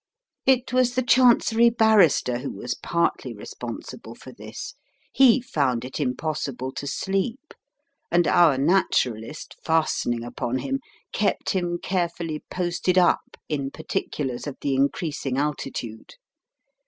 It was the Chancery Barrister who was partly responsible for this. He found it impossible to sleep, and our Naturalist, fastening upon him, kept him carefully posted up in particulars of the increasing altitude.